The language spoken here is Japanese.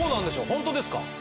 本当ですか？